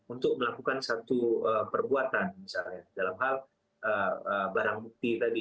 untuk melakukan satu perbuatan misalnya dalam hal barang bukti tadi